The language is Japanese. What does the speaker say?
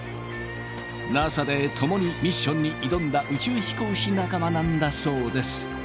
ＮＡＳＡでともにミッションに挑んだ宇宙飛行士仲間なんだそうです。